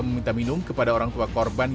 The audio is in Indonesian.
meminta minum kepada orang tua korban